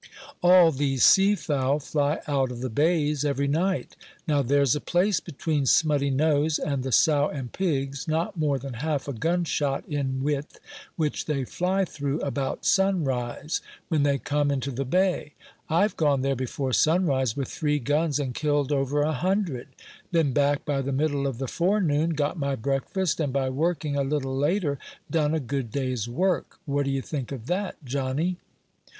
All these sea fowl fly out of the bays every night. Now, there's a place between Smutty Nose and the Sow and Pigs, not more than half a gun shot in width, which they fly through about sunrise, when they come into the bay. I've gone there before sunrise, with three guns, and killed over a hundred; been back by the middle of the forenoon, got my breakfast, and, by working a little later, done a good day's work. What d'ye think of that, Johnny?"